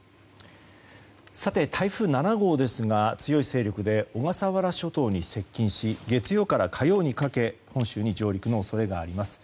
台風７号ですが強い勢力で小笠原諸島に接近し月曜から火曜にかけ本州に上陸の恐れがあります。